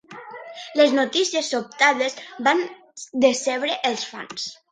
Les notícies sobtades van decebre els fans.